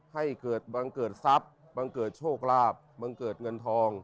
ให้เกิดบังเกิดทรัพย์บังเกิดโชคลาภบังเกิดเงินทอง